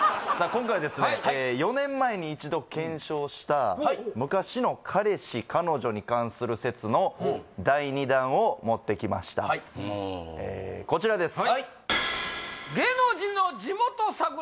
今回はですね４年前に１度検証した昔の彼氏彼女に関する説の第２弾を持ってきましたこちらです